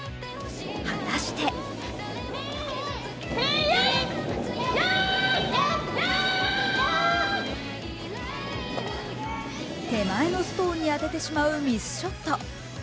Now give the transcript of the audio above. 果たして手前のストーンに当ててしまうミスショット。